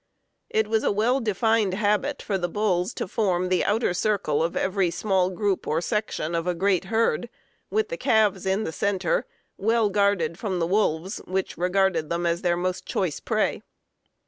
It was a well defined habit for the bulls to form the outer circle of every small group or section of a great herd, with the calves in the center, well guarded from the wolves, which regarded them as their most choice prey.